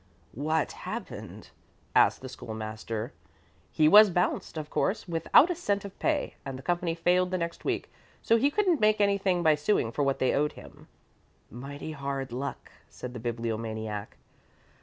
"What happened?" asked the School master. "He was bounced, of course, without a cent of pay, and the company failed the next week, so he couldn't make anything by suing for what they owed him." "Mighty hard luck," said the Bibliomaniac.